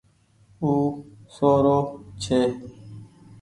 او سو رو ڇي۔